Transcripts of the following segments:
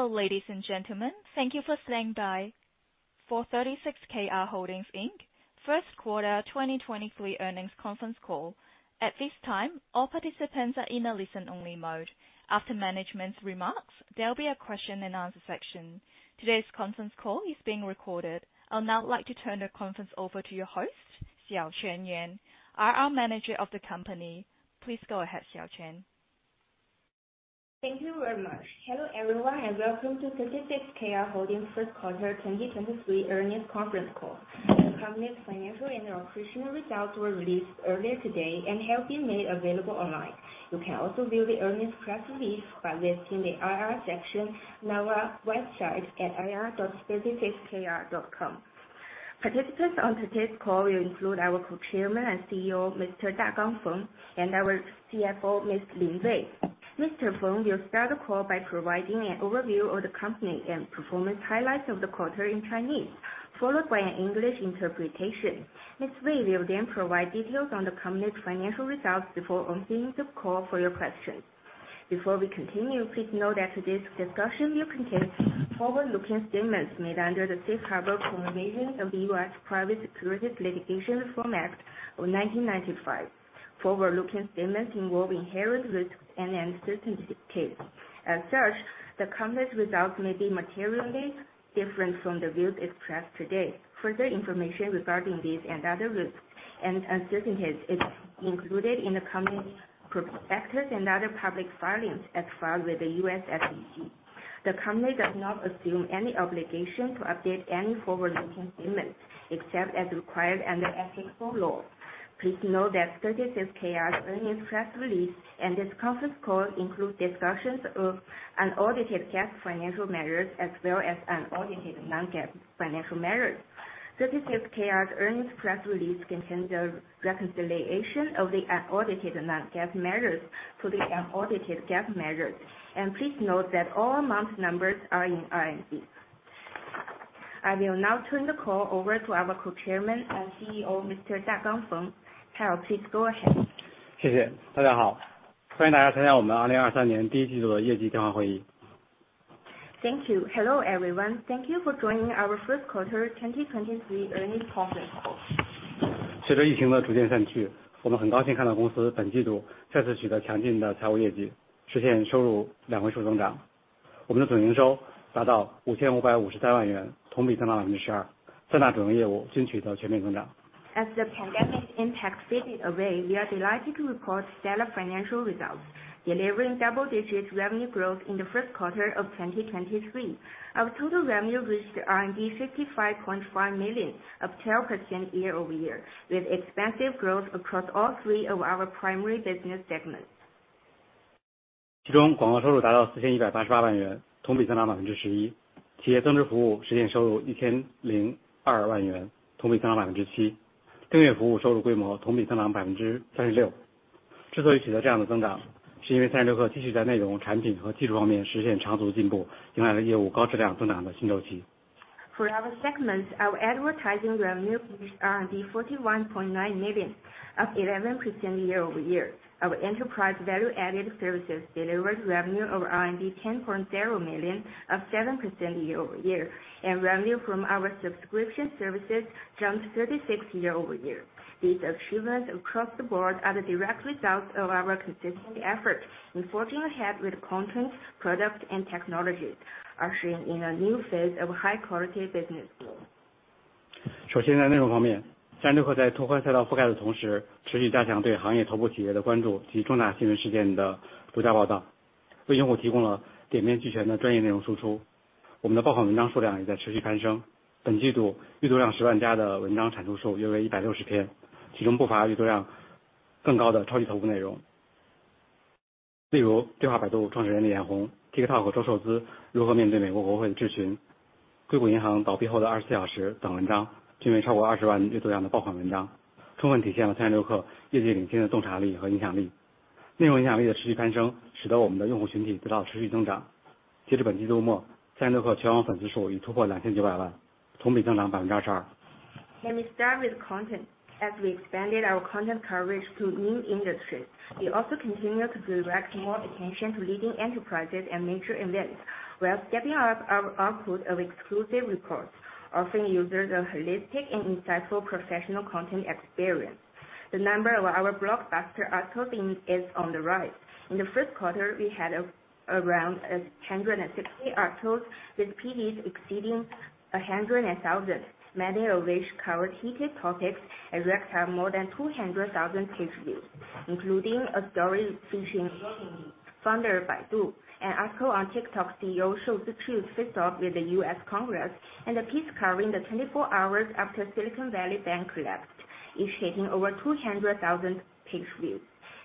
Hello, ladies and gentlemen. Thank you for standing by for 36Kr Holdings Inc. Q1 2023 earnings conference call. At this time, all participants are in a listen-only mode. After management's remarks, there'll be a question and answer section. Today's conference call is being recorded. I would now like to turn the conference over to your host, Xiaoquan Yuan, IR Manager of the company. Please go ahead, Xiaoquan. Thank you very much. Hello, everyone, and welcome to 36Kr Holdings' Q1 23 earnings conference call. The company's financial and operational results were released earlier today and have been made available online. You can also view the earnings press release by visiting the IR section on our website at ir.36kr.com. Participants on today's call will include our Co-chairman and CEO, Mr. Dagang Feng, and our CFO, Ms. Lin Wei. Mr. Feng will start the call by providing an overview of the company and performance highlights of the quarter in Chinese, followed by an English interpretation. Ms. Wei will then provide details on the company's financial results before opening the call for your questions. Before we continue, please note that today's discussion will contain forward-looking statements made under the Safe Harbor provisions of the U.S. Private Securities Litigation Reform Act of 1995. Forward-looking statements involve inherent risks and uncertainties. As such, the company's results may be materially different from the views expressed today. Further information regarding these and other risks and uncertainties is included in the company's prospectus and other public filings as filed with the U.S. SEC. The company does not assume any obligation to update any forward-looking statements, except as required under applicable law. Please note that 36Kr's earnings press release and this conference call include discussions of unaudited GAAP financial measures as well as unaudited non-GAAP financial measures. 36Kr's earnings press release contains a reconciliation of the unaudited non-GAAP measures to the unaudited GAAP measures. Please note that all amount numbers are in RMB. I will now turn the call over to our Co-Chairman and CEO, Mr. Dagang Feng. Pal, please go ahead. Thank you. Hello, everyone. Welcome to our Q1 2023 earnings conference call. Thank you. Hello, everyone. Thank you for joining our Q1 2023 earnings conference call. As the pandemic's impact faded away, we are delighted to report stellar financial results, delivering double-digit revenue growth in the Q1 of 2023. Our total revenue reached 55.5 million, up 12% year-over-year, with expansive growth across all three of our primary business segments. For our segments, our advertising revenue reached 41.9 million, up 11% year-over-year. Our enterprise value-added services delivered revenue of 10.0 million, up 7% year-over-year, and revenue from our subscription services jumped 36% year-over-year. These achievements across the board are the direct result of our consistent effort in forging ahead with content, product, and technology, ushering in a new phase of high-quality business growth. Let me start with content. As we expanded our content coverage to new industries, we also continued to direct more attention to leading enterprises and major events, while stepping up our output of exclusive reports, offering users a holistic and insightful professional content experience. The number of our blockbuster articles is on the rise. In the Q1, we had around 160 articles, with views exceeding 100,000, many of which covered heated topics and racked up more than 200,000 page views, including a story featuring founder of Baidu, an article on TikTok CEO Shou Zi Chew's face-off with the U.S. Congress, and a piece covering the 24 hours after Silicon Valley Bank collapsed, each hitting over 200,000 page views.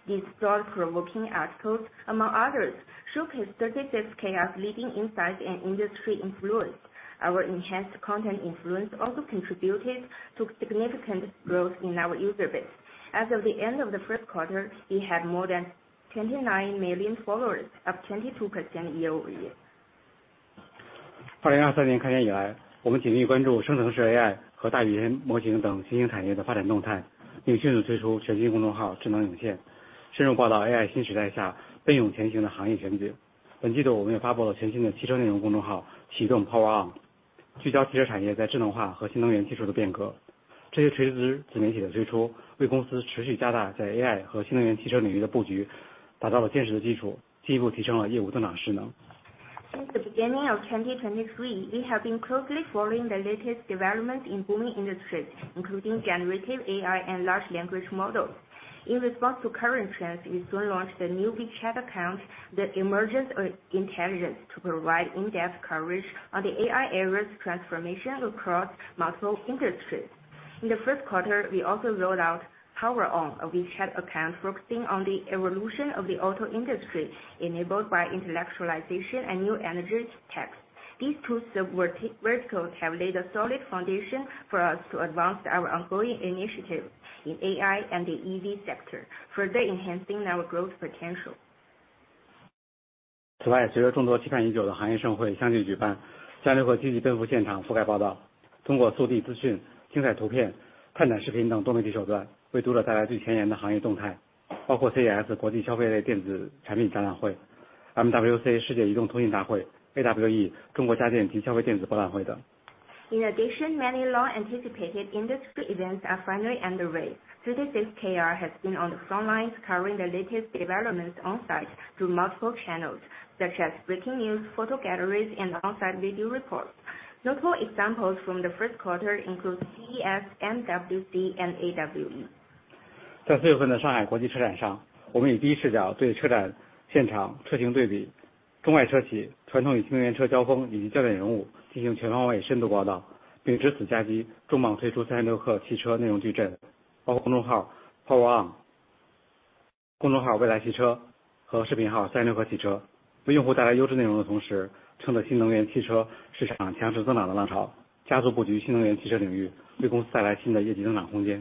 These thought-provoking articles, among others, showcase 36Kr's leading insights and industry influence. Our enhanced content influence also contributed to significant growth in our user base. As of the end of the QQ, we had more than 29 million followers, up 22% year-over-year. 2023开年以 来, 我们紧密关注生成式 AI 和大语言模型等新兴产业的发展动 态, 并迅速推出全新公众号 智能导线, 深入报道 AI 新时代下奔涌前行的行业全 景. 本季 度, 我们也发布了全新的汽车内容公众 号, 启动 PowerOn, 聚焦汽车产业在智能化和新能源技术的变 革. 这些垂直自媒体的推 出, 为公司持续加大在 AI 和新能源汽车领域的布局打造了坚实的基 础, 进一步提升了业务的增长势 能. Since the beginning of 2023, we have been closely following the latest development in booming industries, including generative AI and large language model. In response to current trends, we soon launched a new WeChat account, The Emergence of Intelligence, to provide in-depth coverage on the AI era's transformation across multiple industries. In the Q, we also rolled out Power On, a WeChat account focusing on the evolution of the auto industry enabled by intellectualization and new energy tech. These two verticals have laid a solid foundation for us to advance our ongoing initiative in AI and the EV sector, further enhancing our growth potential. 此 外， 随着众多期盼已久的行业盛会相继举办 ，36 氪积极奔赴现场覆盖报 道， 通过速递资讯、精彩图片、看展视频等多媒体手 段， 为读者带来最前沿的行业动 态， 包括 CES 国际消费类电子产品展览会、MWC 世界移动通信大会、AWE 中国家电及消费电子博览会等。In addition, many long anticipated industry events are finally underway. 36Kr has been on the front lines covering the latest developments on site through multiple channels, such as breaking news, photo galleries, and on-site video reports. Notable examples from the Q include CES, MWC, and AWE. 在四月份的上海国际车展 上， 我们也第一视角对车展现场车型对比、中外车企、传统与新能源车交锋以及重点人物进行全方位深度报 道， 并借此契机重磅推出36氪汽车内容矩 阵， 包括公众号 Power On、公众号未来汽车和视频号36氪汽车。为用户带来优质内容的同 时， 趁着新能源汽车市场强势增长的浪 潮， 加速布局新能源汽车领 域， 为公司带来新的业绩增长空间。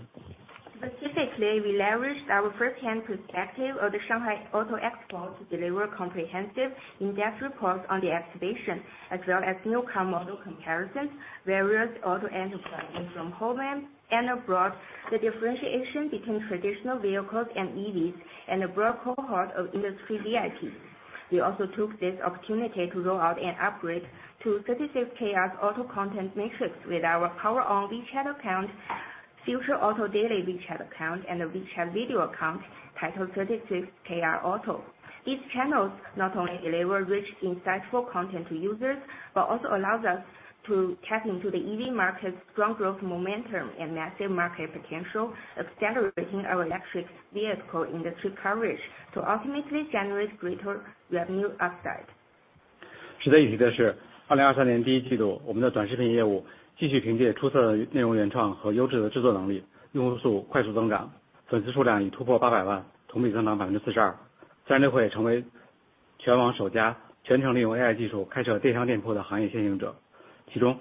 Specifically, we leveraged our firsthand perspective of the Shanghai Auto Expo to deliver comprehensive, in-depth reports on the exhibition, as well as new car model comparisons, various auto enterprises from homeland and abroad, the differentiation between traditional vehicles and EVs, and a broad cohort of industry VIPs. We also took this opportunity to roll out an upgrade to 36Kr's auto content matrix with our PowerOn WeChat account, Future Auto Daily WeChat account, and a WeChat video account titled 36Kr Auto. These channels not only deliver rich, insightful content to users, but also allows us to tap into the EV market's strong growth momentum and massive market potential, accelerating our electric vehicle industry coverage to ultimately generate greater revenue upside. 值得一提的是， 2023年第一季 度， 我们的短视频业务继续凭借出色的内容原创和优质的制作能 力， 用户数快速增 长， 粉丝数量已突破八百 万， 同比增长百分之四十二。36 氪也成为全网首家全程利用 AI 技术开设电商店铺的行业先行者。其中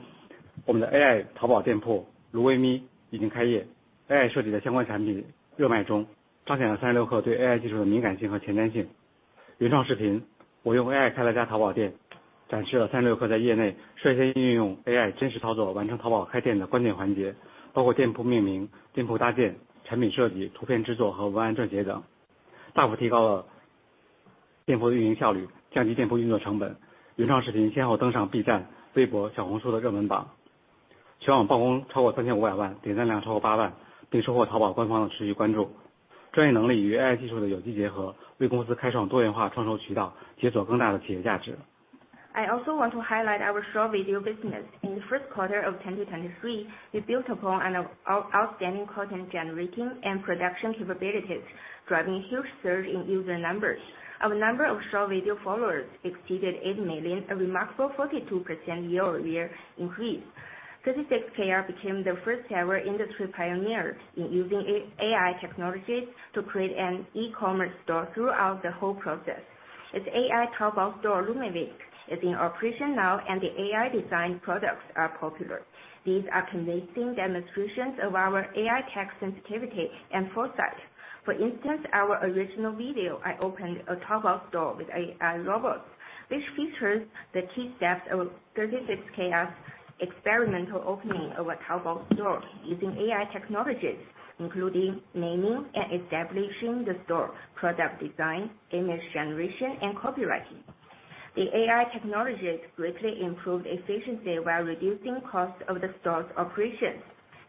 我们的 AI 淘宝店铺芦苇咪已经开业 ，AI 设计的相关产品热卖 中， 彰显了36氪对 AI 技术的敏感性和前瞻性。原创视频《我用 AI 开了家淘宝店》，展示了36氪在业内率先运用 AI 真实操作完成淘宝开店的关键环 节， 包括店铺命名、店铺搭建、产品设计、图片制作和文案撰写 等， 大幅提高了店铺的运营效 率， 降低店铺运作成本。原创视频先后登上 B 站、微博、小红书的热门 榜， 全网曝光超过三千五百 万， 点赞量超过八 万， 并收获淘宝官方的持续关注。专业能力与 AI 技术的有机结 合， 为公司开创多元化创收渠 道， 解锁更大的企业价值。I also want to highlight our short video business. In the Q1 of 2023, we built upon an outstanding content generating and production capabilities, driving a huge surge in user numbers. Our number of short video followers exceeded 8 million, a remarkable 42% year-over-year increase. 36Kr became the first-ever industry pioneer in using AI technologies to create an e-commerce store throughout the whole process. Its AI Taobao store, LumiWink, is in operation now, and the AI designed products are popular. These are convincing demonstrations of our AI tech sensitivity and foresight. For instance, our original video, I opened a Taobao store with AI robots, which features the key steps of 36Kr's experimental opening of a Taobao store using AI technologies, including naming and establishing the store, product design, image generation, and copywriting. The AI technologies greatly improved efficiency while reducing costs of the store's operations.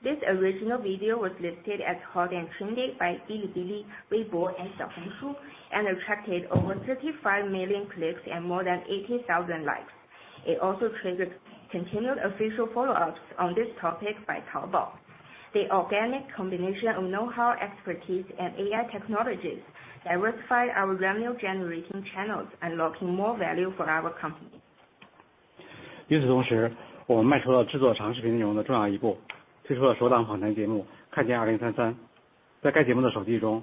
This original video was listed as hot and trending by Bilibili, Weibo, and Xiaohongshu, and attracted over 35 million clicks and more than 80,000 likes. It also triggered continued official follow-ups on this topic by Taobao. The organic combination of know-how, expertise, and AI technologies diversified our revenue generating channels and locking more value for our company. 与此同 时， 我们迈出了制作长视频内容的重要一 步， 推出了首档访谈节目 Foreseeing 2033。在该节目的首季 中，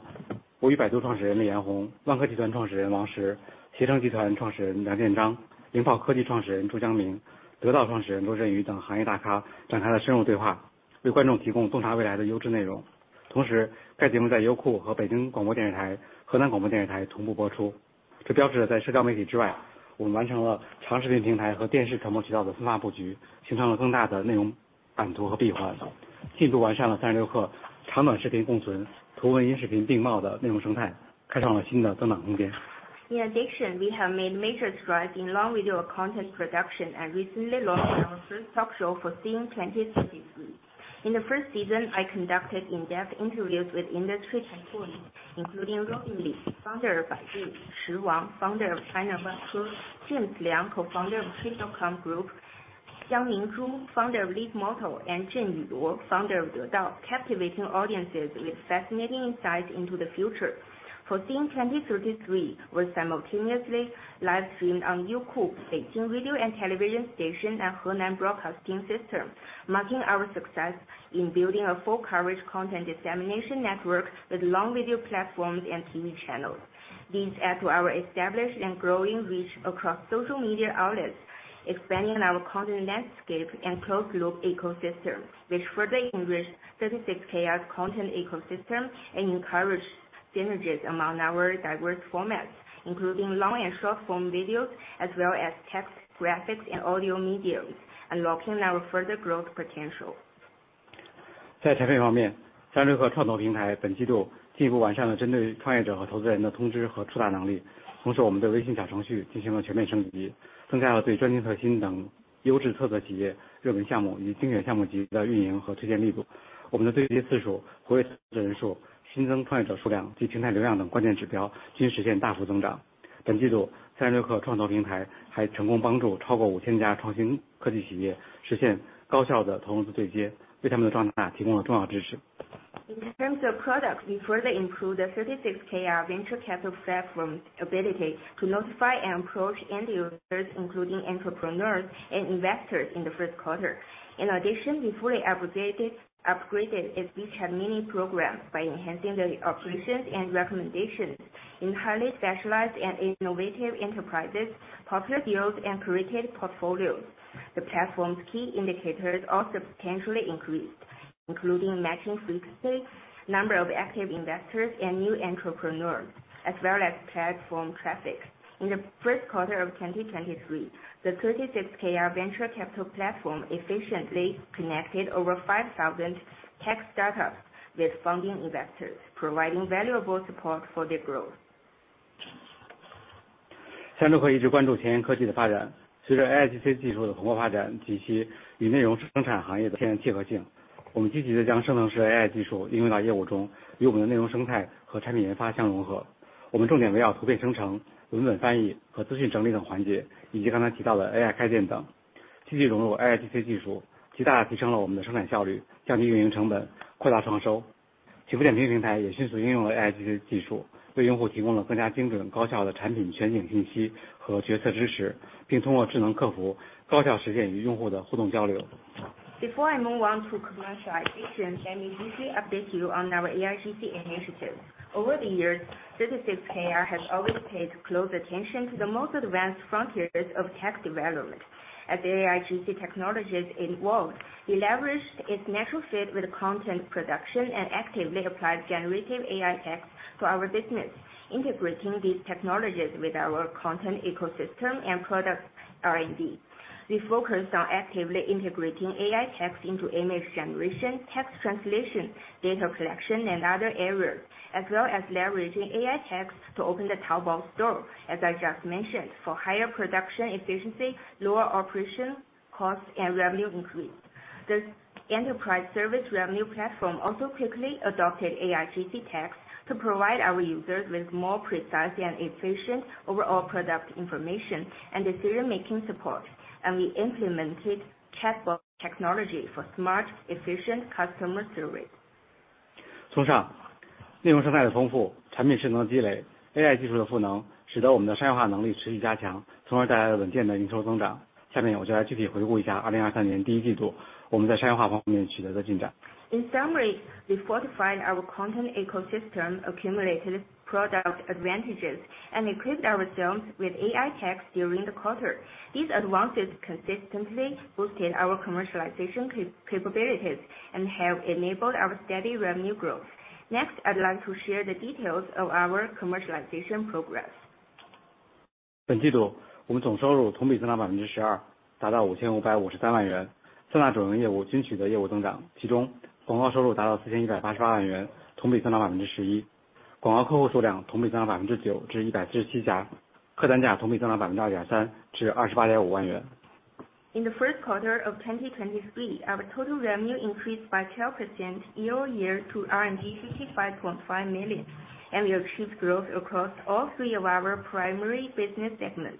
我与 Baidu Founder Robin Li、Vanke Group Founder Wang Shi、Trip.com Group Founder James Liang、Leapmotor Founder 朱江明、De Dao Founder Luo Zhenyu 等行业大咖展开了深入对 话， 为观众提供洞察未来的优质内容。同 时， 该节目在优酷和北京广播电视台、河南广播电视台同步播 出， 这标志着在社交媒体之 外， 我们完成了长视频平台和电视传播渠道的司法布 局， 形成了更大的内容版图和壁 垒， 进一步完善了三十六氪长短视频共 存， 图文音视频并茂的内容生 态， 开创了新的增长空间。In addition, we have made major strides in long video content production and recently launched our first talk show, Foreseeing 2033. In the first season, I conducted in-depth interviews with industry proponents, including Robin Li, founder of Baidu, Wang Shi, founder of China Vanke, James Liang, co-founder of Trip.com Group, Jiang Minzhu, founder of Li Auto, and Jin Yulu, founder of De Dao. Captivating audiences with fascinating insights into the future. Foreseeing 2033 was simultaneously live streamed on Youku, Beijing Radio & Television Station, and Henan Broadcasting System, marking our success in building a full coverage content dissemination network with long video platforms and TV channels. These add to our established and growing reach across social media outlets, expanding our content landscape and closed loop ecosystem, which further enriches 36Kr's content ecosystem and encourages synergies among our diverse formats, including long and short form videos, as well as text, graphics, and audio mediums, unlocking our further growth potential. 在产品方 面， 三十六氪创作平台本季度进一步完善了针对创业者和投资人的通知和触达能力。同 时， 我们的微信小程序进行了全面升 级， 增加了对专精特新等优质特色企业、热门项目与精选项目集的运营和推荐力度。我们的对接次数、活跃人数、新增创业者数量及平台流量等关键指标均实现大幅增长。本季 度， 三十六氪创作平台还成功帮助超过五千家创新科技企业实现高效的投资对 接， 为他们的壮大提供了重要支持。In terms of products, we further improved the 36Kr venture capital platform's ability to notify and approach end users, including entrepreneurs and investors, in the Q. In addition, we fully obligated, upgraded its niche and mini programs by enhancing the operations and recommendations in highly specialized and innovative enterprises, popular fields, and curated portfolios. The platform's key indicators all substantially increased, including matching frequency, number of active investors, and new entrepreneurs, as well as platform traffic. In the Q of 2023, the 36Kr venture capital platform efficiently connected over 5,000 tech startups with funding investors, providing valuable support for their growth. 36Kr 一直关注前沿科技的发 展， 随着 AIGC 技术的蓬勃发展及其与内容生产行业的天然契合 性， 我们积极地将生成式 AI 技术应用到业务 中， 与我们的内容生态和产品研发相融合。我们重点围绕图片生成、文本翻译和资讯整理等环 节， 以及刚才提到的 AI 开店 等， 积极融入 AIGC 技 术， 极大提升了我们的生产效 率， 降低运营成 本， 扩大营收。企服点评平台也迅速应用了 AIGC 技 术， 为用户提供了更加精准、高效的产品全景信息和决策支 持， 并通过智能客服高效实现与用户的互动交流。Before I move on to commercialization, let me briefly update you on our AIGC initiatives. Over the years, 36Kr has always paid close attention to the most advanced frontiers of tech development. As AIGC technologies evolved, we leveraged its natural fit with content production and actively applied generative AI tech to our business, integrating these technologies with our content ecosystem and product R&D. We focused on actively integrating AI techs into image generation, text translation, data collection, and other areas, as well as leveraging AI techs to open the Taobao store, as I just mentioned, for higher production efficiency, lower operation costs, and revenue increase. This enterprise service revenue platform also quickly adopted AIGC techs to provide our users with more precise and efficient overall product information and decision making support. We implemented chatbot technology for smart, efficient customer service. 从上内容生态的丰 富， 产品性能积累 ，AI 技术的赋 能， 使得我们的商业化能力持续加 强， 从而带来了稳健的营收增长。下面我就来具体回顾一下2023年第一季度我们在商业化方面取得的进展。In summary, we fortified our content ecosystem, accumulated product advantages, and equipped our teams with AI techs during the quarter. These advances consistently boosted our commercialization capabilities and have enabled our steady revenue growth. Next, I'd like to share the details of our commercialization progress. 本季 度， 我们总收入同比增长百分之十 二， 达到五千五百五十三万 元， 三大主要业务均取得业务增 长， 其中广告收入达到四千一百八十八万 元， 同比增长百分之十 一， 广告客户数量同比增长百分之九至一百四十七 家， 客单价同比增长百分之点二三至二十八点五万元。In the Q1 of 2023, our total revenue increased by 12% year-over-year to 55.5 million. We achieved growth across all three of our primary business segments.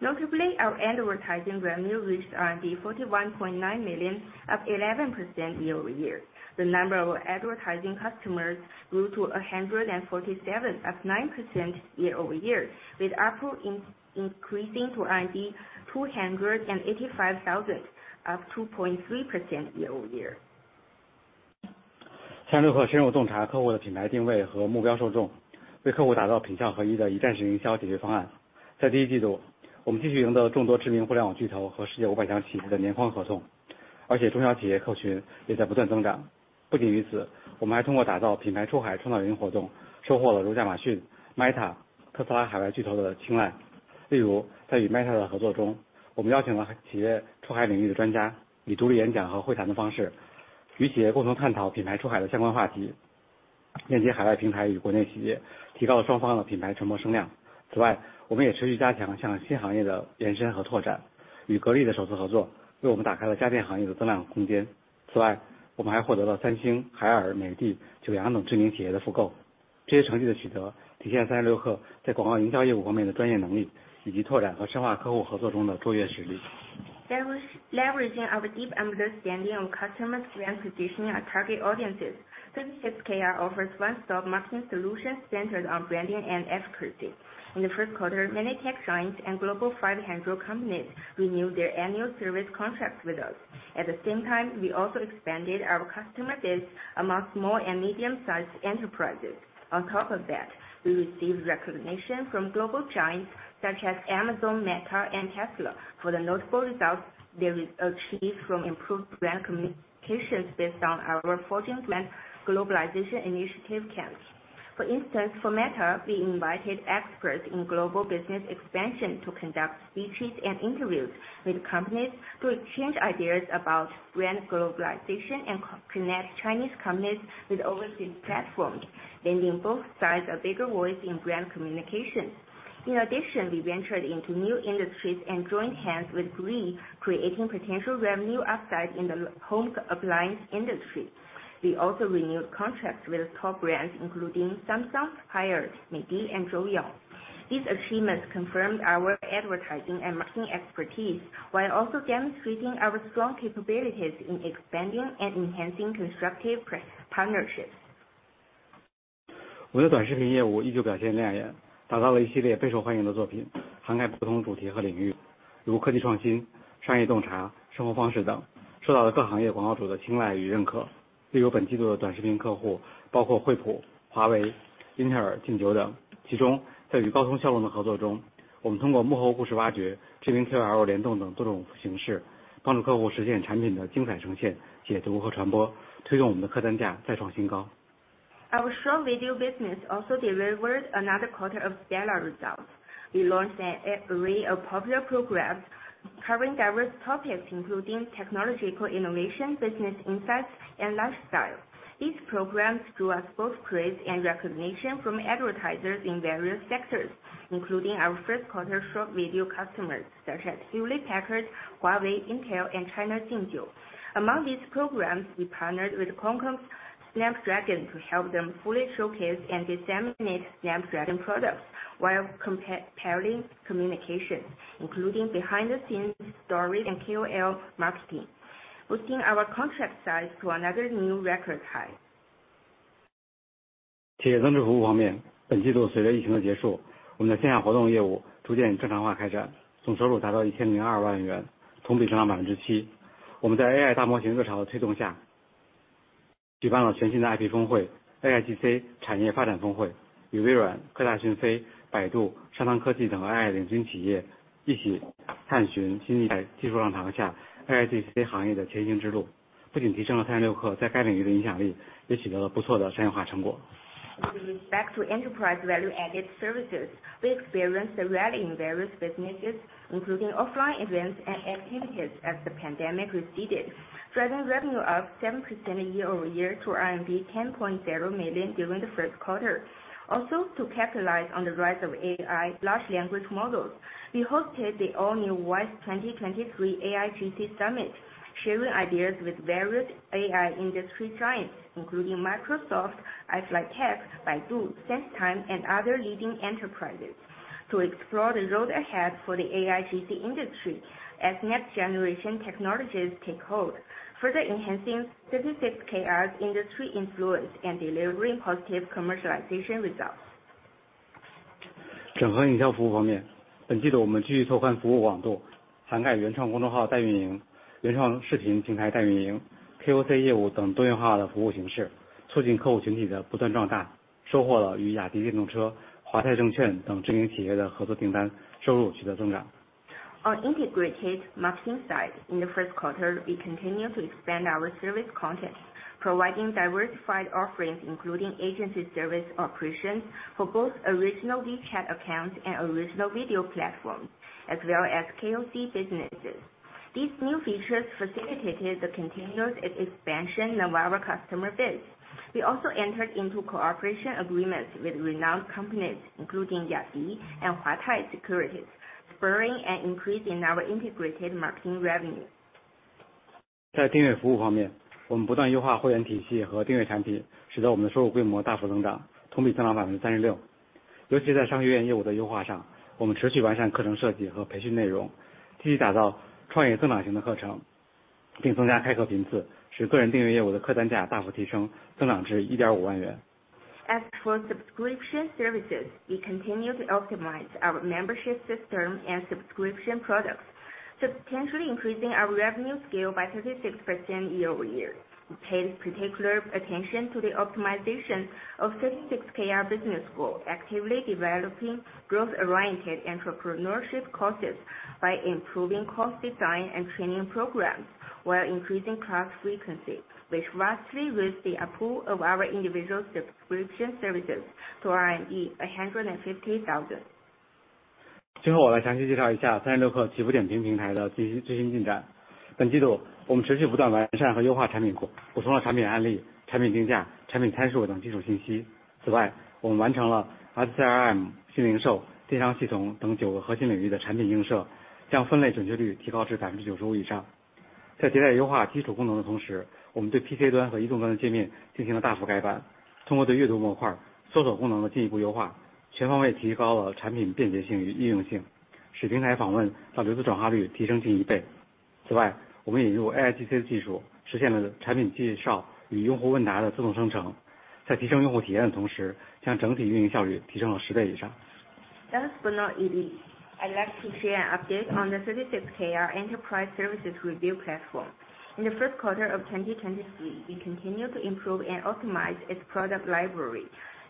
Notably, our advertising revenue reached 41.9 million, up 11% year-over-year. The number of advertising customers grew to 147, up 9% year-over-year, with ARPU increasing to 285,000, up 2.3% year-over-year. 三十六氪深入洞察客户的品牌定位和目标受 众。... 为客户打造品效合一的一站式营销解决方 案. 在第一季 度, 我们继续赢得众多知名互联网巨头和 Fortune Global 500企业的年框合 同, 而且中小企业客户群也在不断增 长. 不仅于 此, 我们还通过打造品牌出海创造营活 动, 收获了如 Amazon, Meta, Tesla 海外巨头的青 睐. 例 如, 在与 Meta 的合作 中, 我们邀请了企业出海领域的专 家, 以独立演讲和会谈的方 式, 与企业共同探讨品牌出海的相关话 题, 链接海外平台与国内企 业, 提高了双方的品牌传播声 量. 此 外, 我们也持续加强向新行业的延伸和拓 展, 与 Gree 的首次合 作, 为我们打开了家电行业的增长空 间. 此 外, 我们还获得了 Samsung, Haier, Midea, Joyoung 等知名企业的复 购. 这些成绩的取 得, 体现了 36Kr 在广告营销业务方面的专业能 力, 以及拓展和深化客户合作中的卓越实 力. Leveraging our deep understanding on customers brand positioning our target audiences, 36Kr offers one-stop marketing solutions centered on branding and advocacy. In the Q1, many tech giants and Fortune Global 500 companies renewed their annual service contracts with us. At the same time, we also expanded our customer base amongst small and medium-sized enterprises. On top of that, we received recognition from global giants such as Amazon, Meta, and Tesla for the notable results they achieved from improved brand communications based on our 14 brand globalization initiative camps. For instance, for Meta, we invited experts in global business expansion to conduct speeches and interviews with companies to exchange ideas about brand globalization and connect Chinese companies with overseas platforms, lending both sides a bigger voice in brand communication. In addition, we ventured into new industries and joined hands with Three, creating potential revenue upside in the home appliance industry. We also renewed contracts with top brands including Samsung, Haier, Midea and Joyoung. These achievements confirmed our advertising and marketing expertise while also demonstrating our strong capabilities in expanding and enhancing constructive press partnerships. 我们的短视频业务依旧表现亮 眼， 打造了一系列备受欢迎的作 品， 涵盖不同主题和领 域， 如科技创新、商业洞察、生活方式 等， 受到了各行业广告主的青睐与认可。例如本季度的短视频客户包括惠普、华为、Intel、劲酒等。其 中， 在与高通骁龙的合作 中， 我们通过幕后故事挖掘、KOL 联动等多种形 式， 帮助客户实现产品的精彩呈 现， 解读和传 播， 推动我们的客单价再创新高。Our short video business also delivered another quarter of stellar results. We launched an array of popular programs covering diverse topics including technological innovation, business insights, and lifestyle. These programs drew us both praise and recognition from advertisers in various sectors, including our Q1 short video customers such as Hewlett Packard, Huawei, Intel, and China Jinju. Among these programs, we partnered with Qualcomm Snapdragon to help them fully showcase and disseminate Snapdragon products while comparing communication, including behind the scenes stories and KOL marketing, boosting our contract size to another new record high. 企业增值服务方 面， 本季度随着疫情的结 束， 我们的线下活动业务逐渐正常化开 展， 总收入达到一千零二万 元， 同比增长百分之七。我们在 AI 大模型热潮的推动 下， 举办了全新的 IP 峰会 ，AIGC 产业发展峰 会， 与微软、科大讯飞、百度、商汤科技等 AI 领军企业一起探寻新一代技术浪潮下 ，AIGC 行业的先行之 路， 不仅提升了三十六氪在该领域的影响 力， 也取得了不错的商业化成果。Back to enterprise value added services, we experienced a rally in various businesses, including offline events and activities as the pandemic receded, driving revenue up 7% year-over-year to RMB 10.0 million during the Q1. To capitalize on the rise of AI large language models, we hosted the all new WISE 2023 AIGC Summit, sharing ideas with various AI industry giants, including Microsoft, iFlytek, Baidu, SenseTime, and other leading enterprises, to explore the road ahead for the AIGC industry as next generation technologies take hold, further enhancing 36Kr's industry influence and delivering positive commercialization results. 整合营销服务方 面， 本季度我们继续拓宽服务广 度， 涵盖原创公众号代运营、原创视频平台代运营、KOC 业务等多元化的服务形 式， 促进客户群体的不断壮 大， 收获了与雅迪电动车、华泰证券等知名企业的合作订 单， 收入取得增长。On integrated marketing side, in the Q1, we continue to expand our service content, providing diversified offerings, including agency service operations for both original WeChat accounts and original video platforms, as well as KOC businesses. These new features facilitated the continuous expansion of our customer base. We also entered into cooperation agreements with renowned companies, including Yadea and Huatai Securities, spurring an increase in our integrated marketing revenue. 在订阅服务方 面， 我们不断优化会员体系和订阅产 品， 使得我们的收入规模大幅增 长， 同比增长百分之三十六。尤其在商业会员业务的优化 上， 我们持续完善课程设计和培训内 容， 积极打造创业增长型的课 程， 并增加开课频 次， 使个人订阅业务的客单价大幅提 升， 增长至一点五万元。As for subscription services, we continue to optimize our membership system and subscription products. potentially increasing our revenue scale by 36% year-over-year. Pay particular attention to the optimization of 36Kr business school, actively developing growth-oriented entrepreneurship courses by improving course design and training programs, while increasing class frequency, which vastly with the approval of our individual subscription services to RE, 150,000. Last but not least, I'd like to share an update on the 36Kr Enterprise Service Review platform. In the Q1 of 2023, we continued to improve and optimize its product library,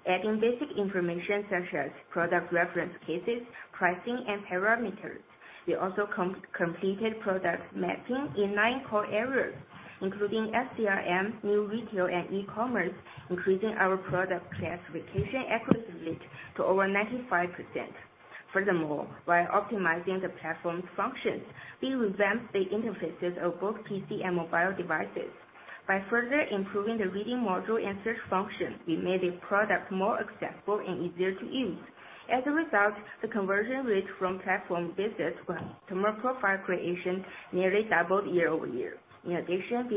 adding basic information such as product reference cases, pricing, and parameters. We also completed product mapping in 9 core areas, including SCRM, new retail, and e-commerce, increasing our product classification accuracy rate to over 95%. While optimizing the platform's functions, we revamped the interfaces of both PC and mobile devices. By further improving the reading module and search function, we made the product more accessible and easier to use. The conversion rate from platform visits to customer profile creation nearly doubled year-over-year. We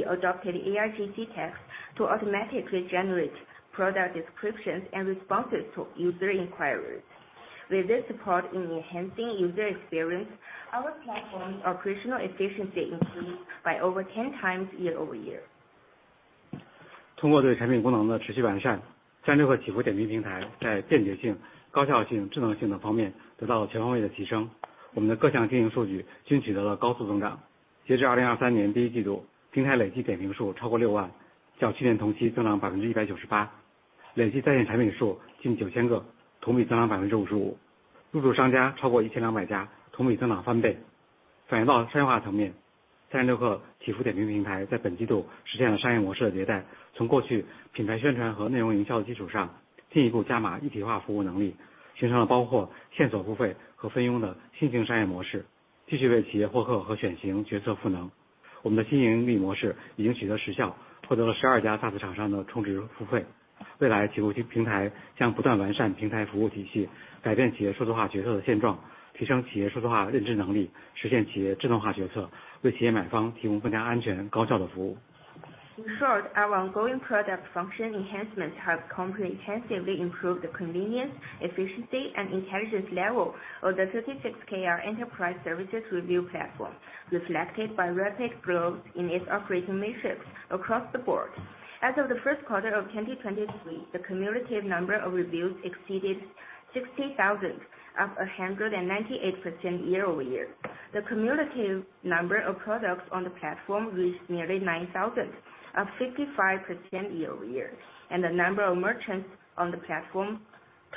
adopted AIGC text to automatically generate product descriptions and responses to user inquiries. With this support in enhancing user experience, our platform's operational efficiency increased by over 10 times year-over-year. Our ongoing product function enhancements have comprehensively improved the convenience, efficiency, and intelligence level of the 36Kr Enterprise Service Review platform, reflected by rapid growth in its operating metrics across the board. As of the Q1 of 2023, the cumulative number of reviews exceeded 60,000, up 198% year-over-year. The cumulative number of products on the platform reached nearly 9,000, up 55% year-over-year, and the number of merchants on the platform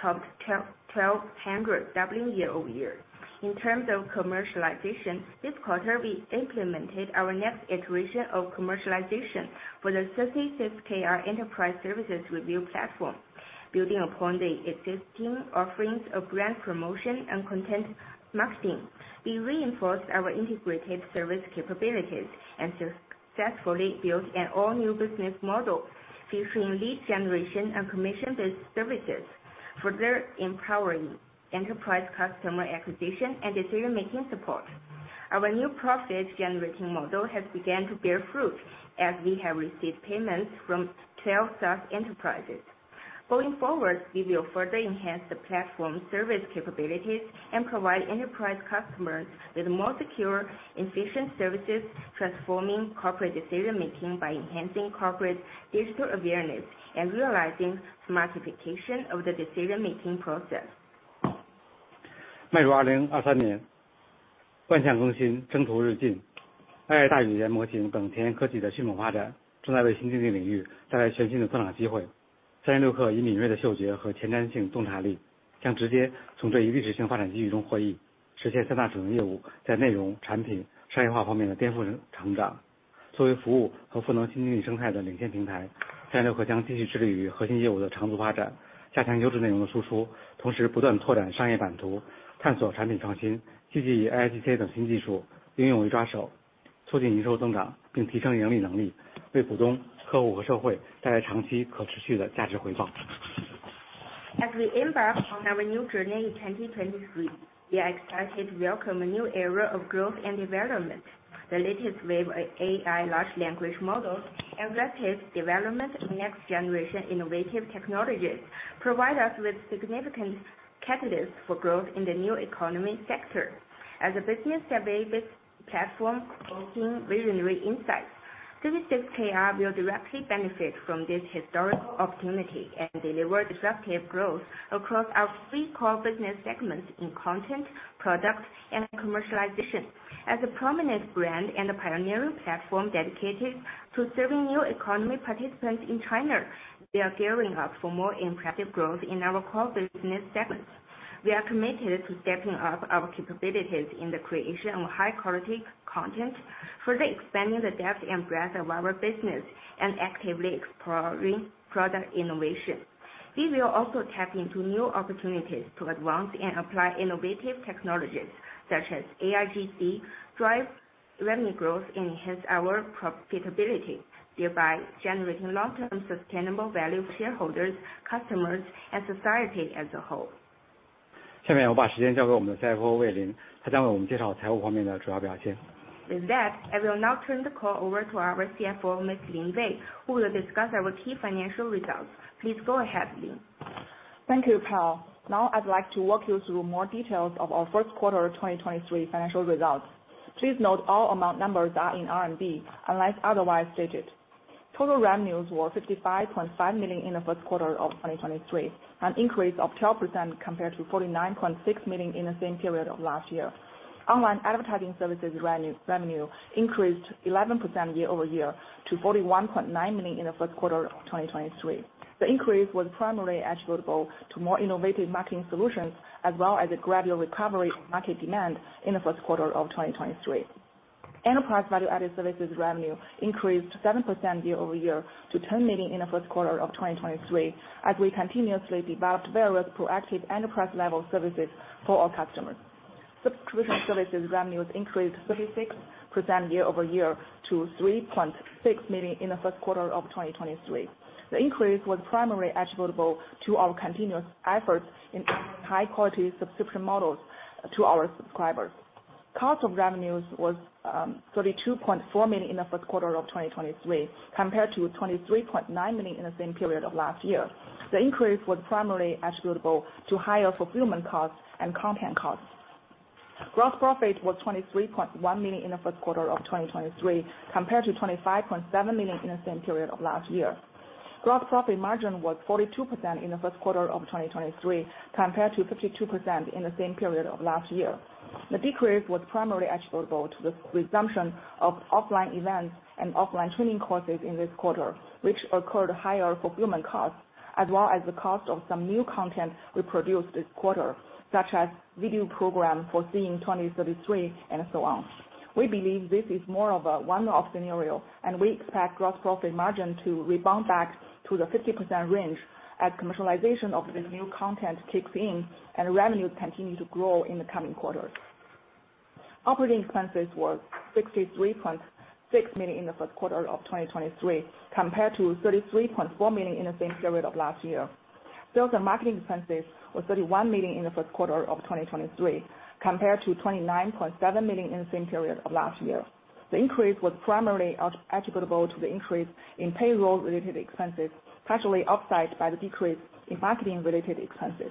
topped 1,200, doubling year-over-year. In terms of commercialization, this quarter, we implemented our next iteration of commercialization for the 36Kr Enterprise Service Review platform. Building upon the existing offerings of brand promotion and content marketing, we reinforced our integrated service capabilities and successfully built an all-new business model featuring lead generation and commission-based services, further empowering enterprise customer acquisition and decision-making support. Our new profit-generating model has began to bear fruit as we have received payments from 12 such enterprises. Going forward, we will further enhance the platform's service capabilities and provide enterprise customers with more secure and efficient services, transforming corporate decision-making by enhancing corporate digital awareness and realizing smartification of the decision-making process. As we embark on our new journey in 2023, we are excited to welcome a new era of growth and development. The latest wave of AI large language models and rapid development in next-generation innovative technologies provide us with significant catalysts for growth in the new economy sector. As a business-to-business platform hosting visionary insights, 36Kr will directly benefit from this historical opportunity and deliver disruptive growth across our three core business segments in content, product, and commercialization. As a prominent brand and a pioneering platform dedicated to serving new economy participants in China, we are gearing up for more impressive growth in our core business segments. We are committed to stepping up our capabilities in the creation of high quality content, further expanding the depth and breadth of our business, and actively exploring product innovation. We will also tap into new opportunities to advance and apply innovative technologies such as AIGC, drive revenue growth, and enhance our profitability, thereby generating long-term sustainable value for shareholders, customers, and society as a whole. With that, I will now turn the call over to our CFO, Ms. Lin Wei, who will discuss our key financial results. Please go ahead, Lin. Thank you, Pal. Now I'd like to walk you through more details of our Q1 2023 financial results. Please note all amount numbers are in RMB, unless otherwise stated. Total revenues were 55.5 million in the Q1 of 2023, an increase of 12% compared to 49.6 million in the same period of last year. Online advertising services revenue increased 11% year-over-year to 41.9 million in the Q1 of 2023. The increase was primarily attributable to more innovative marketing solutions, as well as a gradual recovery of market demand in the Q1 of 2023. Enterprise value-added services revenue increased 7% year-over-year to 10 million in the Q1 of 2023, as we continuously developed various proactive enterprise level services for our customers. Subscription services revenues increased 36% year-over-year to $3.6 million in the Q1 of 2023. The increase was primarily attributable to our continuous efforts in offering high quality subscription models to our subscribers. Cost of revenues was $32.4 million in the Q1 of 2023, compared to $23.9 million in the same period of last year. The increase was primarily attributable to higher fulfillment costs and content costs. Gross profit was $23.1 million in the Q1 of 2023, compared to $25.7 million in the same period of last year. Gross profit margin was 42% in the Q1 of 2023, compared to 52% in the same period of last year. The decrease was primarily attributable to the resumption of offline events and offline training courses in this quarter, which occurred higher fulfillment costs, as well as the cost of some new content we produced this quarter, such as video program Foreseeing 2033, and so on. We believe this is more of a one-off scenario, and we expect gross profit margin to rebound back to the 50% range as commercialization of this new content kicks in and revenues continue to grow in the coming quarters. Operating expenses were $63.6 million in the Q1 of 2023, compared to $33.4 million in the same period of last year. Sales and marketing expenses were $31 million in the Q1 of 2023, compared to $29.7 million in the same period of last year. The increase was primarily attributable to the increase in payroll related expenses, partially offset by the decrease in marketing related expenses.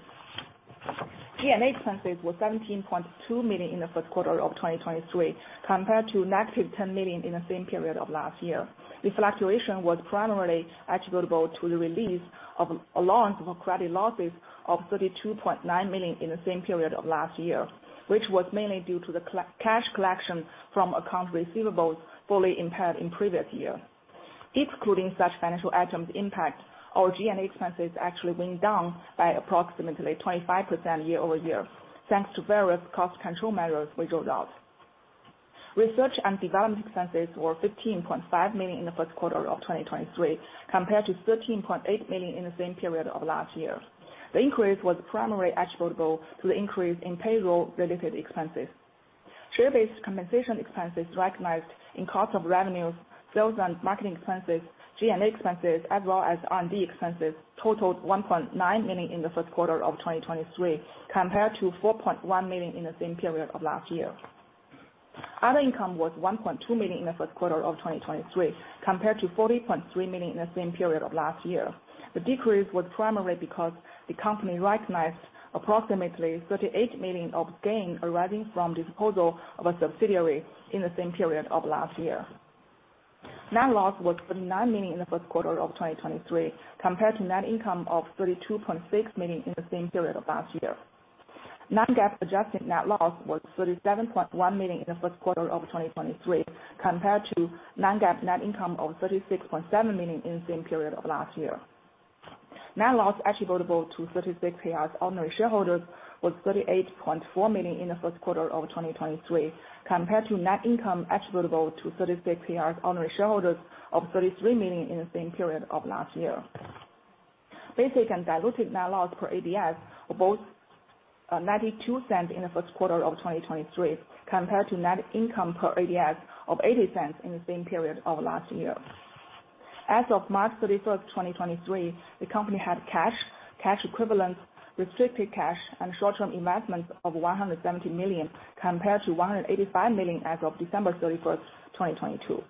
G&A expenses were $17.2 million in the Q1 of 2023, compared to -$10 million in the same period of last year. The fluctuation was primarily attributable to the release of allowance for credit losses of $32.9 million in the same period of last year, which was mainly due to the cash collection from accounts receivables fully impaired in previous year. Excluding such financial items impact, our G&A expenses actually went down by approximately 25% year-over-year, thanks to various cost control measures we rolled out. Research and development expenses were $15.5 million in the Q1 of 2023, compared to $13.8 million in the same period of last year. The increase was primarily attributable to the increase in payroll related expenses. Share-based compensation expenses recognized in cost of revenues, sales and marketing expenses, G&A expenses, as well as R&D expenses, totaled $1.9 million in the Q1 of 2023, compared to $4.1 million in the same period of last year. Other income was $1.2 million in the Q1 of 2023, compared to $4.3 million in the same period of last year. The decrease was primarily because the company recognized approximately $38 million of gain arising from disposal of a subsidiary in the same period of last year. Net loss was $39 million in the Q1 of 2023, compared to net income of $32.6 million in the same period of last year. Non-GAAP adjusted net loss was $37.1 million in the Q1 of 2023, compared to Non-GAAP net income of $36.7 million in the same period of last year. Net loss attributable to 36Kr's ordinary shareholders was $38.4 million in the Q1 of 2023, compared to net income attributable to 36Kr's ordinary shareholders of $33 million in the same period of last year. Basic and diluted net loss per ADS are both $0.92 in the Q1 of 2023, compared to net income per ADS of $0.80 in the same period of last year. As of March 31, 2023, the company had cash equivalents, restricted cash, and short-term investments of $170 million, compared to $185 million as of December 31, 2022.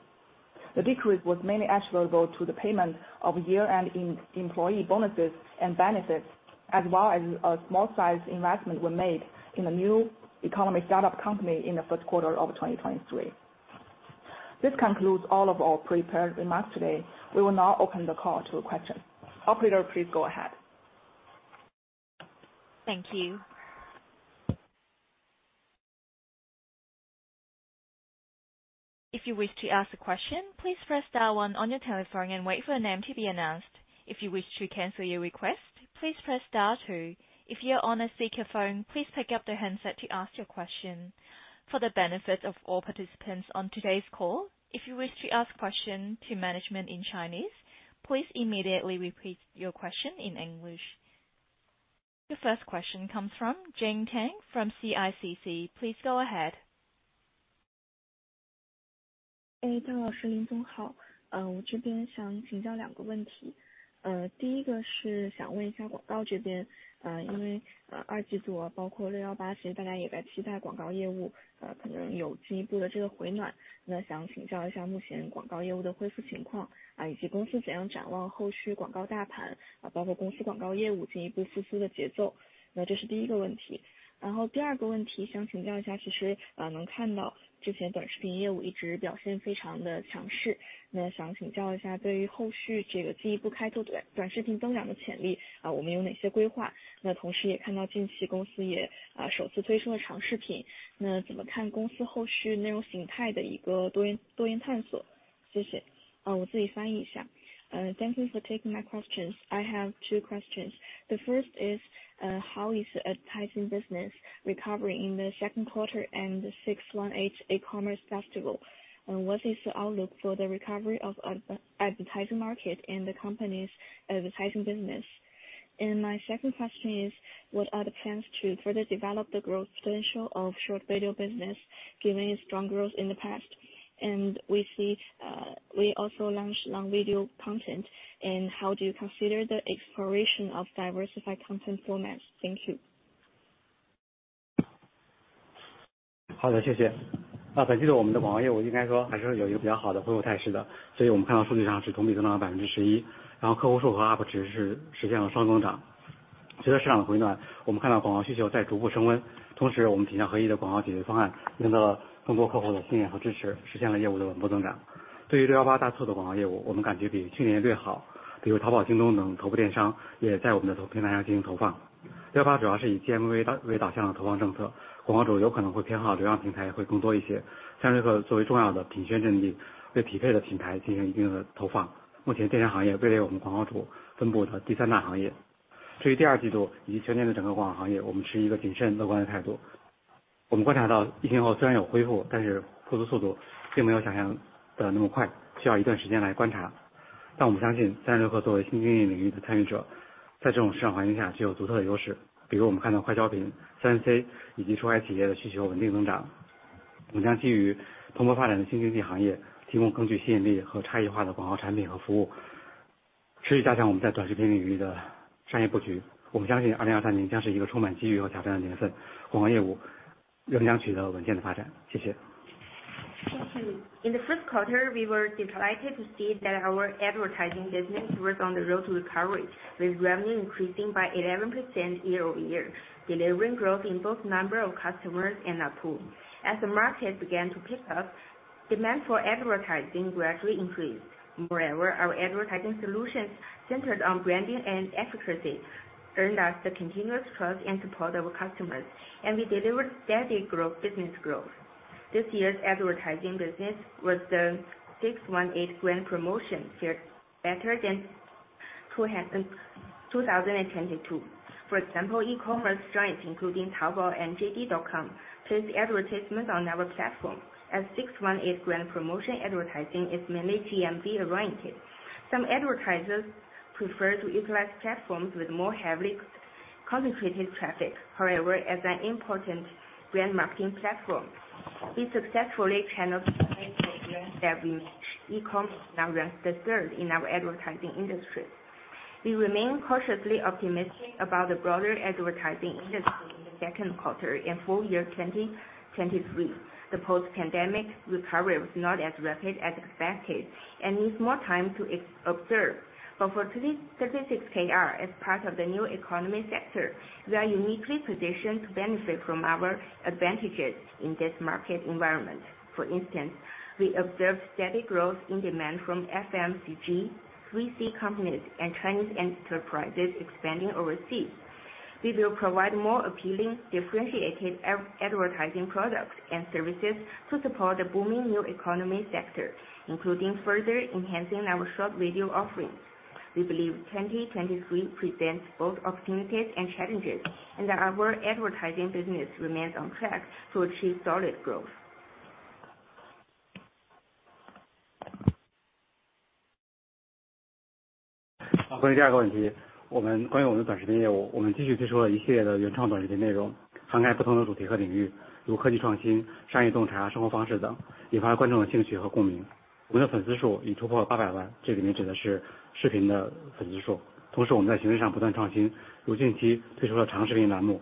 The decrease was mainly attributable to the payment of year-end employee bonuses and benefits. as well as a small size investment were made in a new economy startup company in the Q1 of 2023. This concludes all of our prepared remarks today. We will now open the call to questions. Operator, please go ahead. Thank you. If you wish to ask a question, please press star one on your telephone and wait for your name to be announced. If you wish to cancel your request, please press star two. If you are on a speakerphone, please pick up the handset to ask your question. For the benefit of all participants on today's call, if you wish to ask question to management in Chinese, please immediately repeat your question in English. The first question comes from Jane Tang from CICC. Please go ahead. Hey, Daniel. Thank you for taking my questions. I have two questions. The first is, how is the advertising business recovering in the Q2 and the 618 E-commerce Festival? What is the outlook for the recovery of advertising market and the company's advertising business? My second question is: what are the plans to further develop the growth potential of short video business, given its strong growth in the past? We see, we also launched long video content. How do you consider the exploration of diversified content formats? Thank you. 好 的， 谢谢。本季度我们的广告业务应该说还是有一个比较好的恢复态势 的， 我们看到数据上是同比增长了 11%， 然后客户数和 ARPU 值是实现了双增长。随着市场的回 暖， 我们看到广告需求在逐步升温，同时我们提供了合一的广告解决方 案， 赢得了更多客户的信任和支 持， 实现了业务的稳步增长。对于618大促的广告业 务， 我们感觉比去年要略 好， 比如 Taobao、JD.com 等头部电商也在我们的平台进行投放。618 主要是以 GMV 为导向的投放政 策， 广告主有可能会偏好流量平台会更多一些。36Kr 作为重要的品宣阵 地， 对匹配的品牌进行一定的投放。目前这项行业位列我们广告主分布的第三大行业。至于 Q2 以及全年的整个广告行 业， 我们持一个谨慎乐观的态度。我们观察 到， 疫情后虽然有恢 复， 但是恢复速度并没有想象的那么 快， 需要一段时间来观察。我们相 信， 36Kr 作为新经济领域的参与 者， 在这种市场环境下具有独特的优势。比如我们看到快消品、3C 以及出海企业的需求稳定增 长， 我们将基于蓬勃发展的新经济行 业， 提供更具吸引力和差异化的广告产品和服 务， 持续加强我们在短视频领域的商业布局。我们相信2023年将是一个充满机遇和挑战的年 份， 广告业务仍将取得稳健的发展。谢谢。Thank you. In the Q1, we were delighted to see that our advertising business was on the road to recovery, with revenue increasing by 11% year-over-year, delivering growth in both number of customers and ARPU. As the market began to pick up, demand for advertising gradually increased. Moreover, our advertising solutions, centered on branding and efficacy, earned us the continuous trust and support of our customers, and we delivered steady growth, business growth. This year's advertising business was the 618 brand promotion fare, better than 2022. For example, e-commerce giants, including Taobao and JD.com, placed advertisements on our platform. As 618 grand promotion advertising is mainly GMV-oriented. Some advertisers prefer to utilize platforms with more heavily concentrated traffic. However, as an important brand marketing platform, we successfully channeled e-commerce, now ranks the third in our advertising industry. We remain cautiously optimistic about the broader advertising industry in the Q2 and full year 2023. The post-pandemic recovery was not as rapid as expected and needs more time to observe. For 36Kr, as part of the new economy sector, we are uniquely positioned to benefit from our advantages in this market environment. For instance, we observed steady growth in demand from FMCG, 3C companies, and Chinese enterprises expanding overseas. We will provide more appealing, differentiated advertising products and services to support the booming new economy sector, including further enhancing our short video offerings. We believe 2023 presents both opportunities and challenges. Our advertising business remains on track to achieve solid growth. 好， 关于第二个问 题， 我们关于我们的短视频业 务， 我们继续推出了一系列的原创短视频内 容， 涵盖不同的主题和领 域， 如科技创新、商业洞察、生活方式 等， 引发观众的兴趣和共鸣。我们的粉丝数已突破八百 万， 这里面指的是视频的粉丝数。同时我们在形式上不断创 新， 如近期推出的长视频栏 目，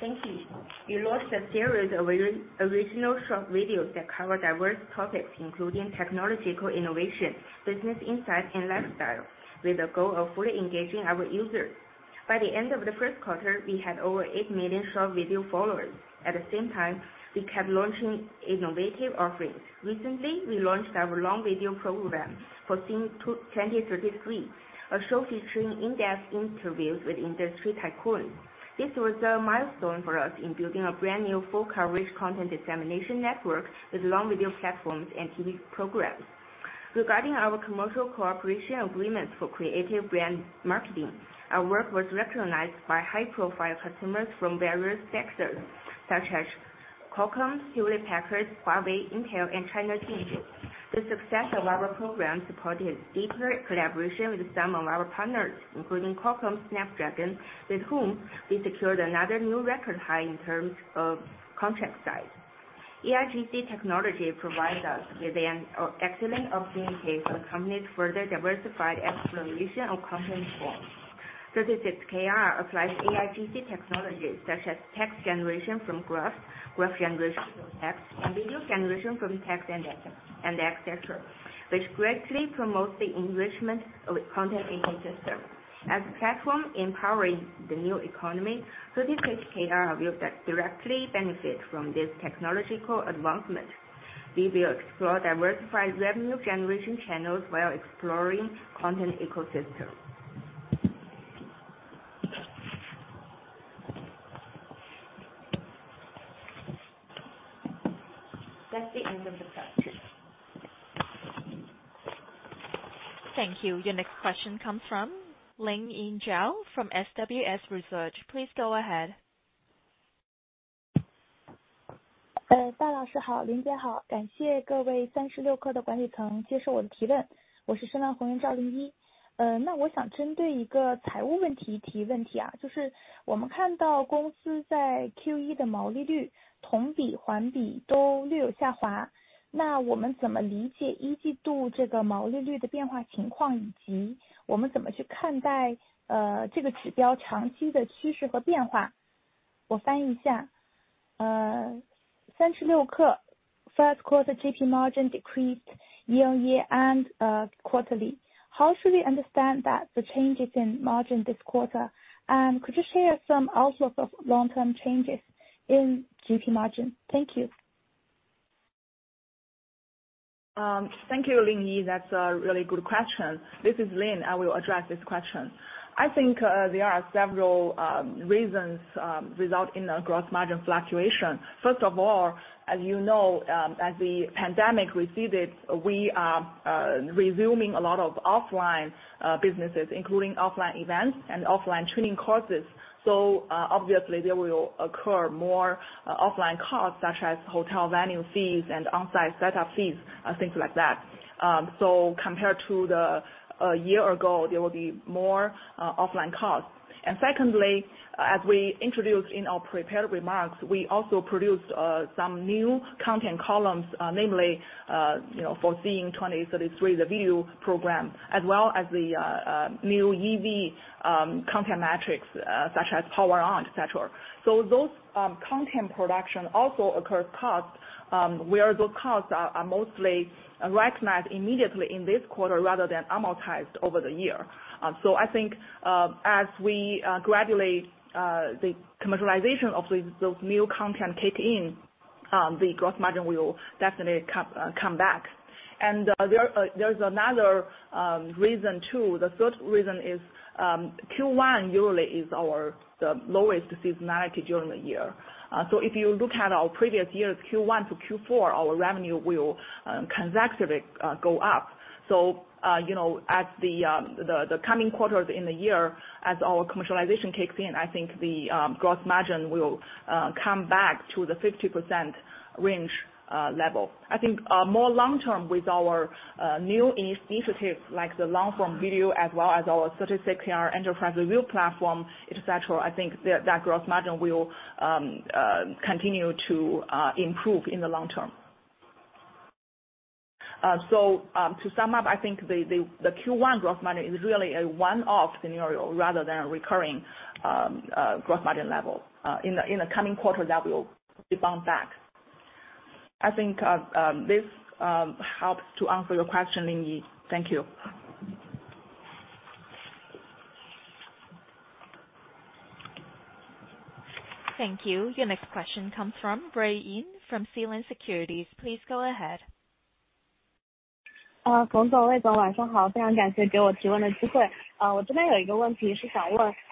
Thank you. We launched a series of original short videos that cover diverse topics, including technological innovation, business insight, and lifestyle, with the goal of fully engaging our users. By the end of the Q1, we had over 8 million short video followers. At the same time, we kept launching innovative offerings. Recently, we launched our long video program, Foreseeing 2033, a show featuring in-depth interviews with industry tycoons. This was a milestone for us in building a brand new, full coverage content dissemination network with long video platforms and TV programs. Regarding our commercial cooperation agreements for creative brand marketing, our work was recognized by high-profile customers from various sectors, such as Qualcomm, Hewlett-Packard, Huawei, Intel, and China Telecom. The success of our program supported a deeper collaboration with some of our partners, including Qualcomm Snapdragon, with whom we secured another new record high in terms of contract size. AIGC technology provides us with an excellent opportunity for the company's further diversified exploration of content forms. 36Kr applies AIGC technologies such as text generation from graph generation from text, and video generation from text and et cetera, which greatly promotes the enrichment of the content ecosystem. As a platform empowering the new economy, 36Kr will directly benefit from this technological advancement. We will explore diversified revenue generation channels while exploring content ecosystem. That's the end of the presentation. Thank you. Your next question comes from Ling Yi Zhao from SWS Research. Please go ahead. Hello, Dai, hello, Lin. Thank you, management of 36Kr for taking my question. I am Ling Yi Zhao from SWS. I want to ask a financial question. That is, we see that the company's gross profit margin in Q1 is slightly down year-on-year and quarter-on-quarter. How do we interpret the change in the gross profit margin in the Q1, and how do we look at the long-term trend and change of this indicator? I translate it. 36Kr Q1 GP margin decreased year-on-year and quarterly. How should we understand that the changes in margin this Q1? Could you share some outlook of long-term changes in GP margin? Thank you. Thank you, Ling Yi. That's a really good question. This is Lin. I will address this question. I think there are several reasons result in a gross margin fluctuation. First of all, as you know, as the pandemic receded, we are resuming a lot of offline businesses, including offline events and offline training courses. Obviously, there will occur more offline costs, such as hotel venue fees and on-site setup fees, and things like that. Compared to the year ago, there will be more offline costs. Secondly, as we introduced in our prepared remarks, we also produced some new content columns, namely, you know, Foreseeing 2033, the View program, as well as the new EV content metrics, such as PowerOn, et cetera. Those content production also occurs costs, where those costs are mostly recognized immediately in this quarter, rather than amortized over the year. I think as we gradually the commercialization of those new content kick in, the gross margin will definitely come back. There's another reason, too. The third reason is Q1 usually is the lowest seasonality during the year. If you look at our previous years, Q1 to Q4, our revenue will consecutively go up. You know, at the coming quarters in the year, as our commercialization kicks in, I think the gross margin will come back to the 50% range level. I think, more long term with our new initiative, like the long-form video, as well as our 36Kr Enterprise Review platform, et cetera, I think that gross margin will continue to improve in the long term. To sum up, I think the Q1 growth margin is really a one-off scenario rather than a recurring growth margin level. In the coming quarter, that will rebound back. I think, this helps to answer your question, Ling Yi. Thank you. Thank you. Your next question comes from Rui Yin, from Sealand Securities. Please go ahead. Gong Zongwei, good evening. Very much appreciate the opportunity to ask a question.